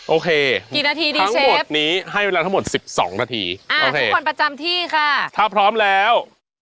โอเคกี่นาทีดีทั้งหมดนี้ให้เวลาทั้งหมด๑๒นาทีทุกคนประจำที่ค่ะถ้าพร้อมแล้ว